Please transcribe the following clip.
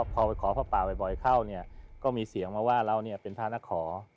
พอขอพระป่าบ่อยเข้าก็มีเสียงมาว่าเราเป็นพระนักขอ